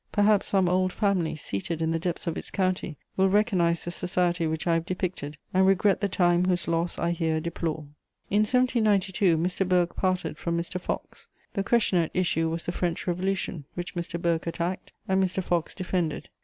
Perhaps some old family, seated in the depths of its county, will recognise the society which I have depicted and regret the time whose loss I here deplore. In 1792 Mr. Burke parted from Mr. Fox. The question at issue was the French Revolution, which Mr. Burke attacked and Mr. Fox defended.